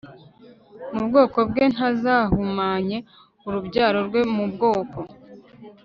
mu bwoko bwe Ntazahumanye urubyaro rwe mu bwoko